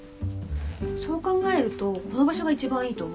そう考えるとこの場所が一番いいと思うんですよね。